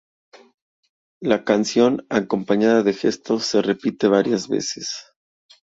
La canción, acompañada de gestos, se repite varias veces.